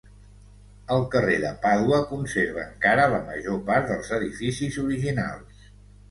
El carrer de Pàdua conserva encara la major part dels edificis originals.